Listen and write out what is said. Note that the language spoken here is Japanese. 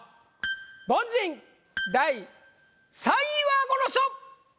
凡人第３位はこの人！